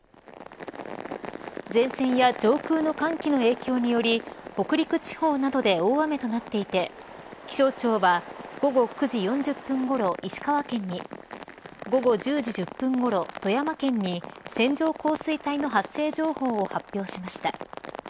前線や上空の寒気の影響により北陸地方などで大雨となっていて気象庁は午後９時４０分ごろ石川県に午後１０時１０分ごろ富山県に線状降水帯の発生情報を発表しました。